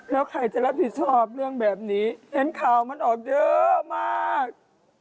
แล้วใครจะรับผิดชอบเรื่องแบบนี้เห็นข่าวมันออกเยอะมาก